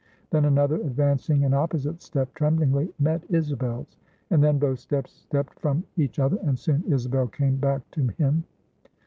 Then another advancing and opposite step tremblingly met Isabel's; and then both steps stepped from each other, and soon Isabel came back to him.